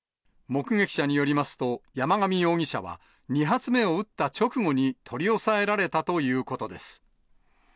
目撃者によりますと、山上容疑者は、２発目を撃った直後に取り押さえられたということです。